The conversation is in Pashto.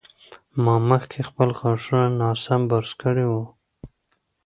ما مخکې خپل غاښونه ناسم برس کړي وو.